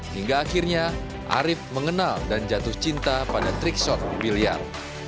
hingga akhirnya arief mengenal dan jatuh cinta pada trikshot biliar